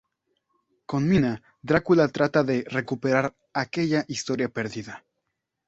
Con Mina, Drácula trata de recuperar aquella historia perdida.